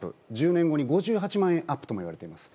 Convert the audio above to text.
１０年後に５８万円ともいわれております。